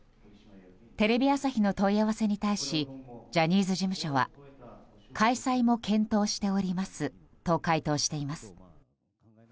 テレビ朝日の問い合わせに対しジャニーズ事務所は開催も検討しておりますと回答しています。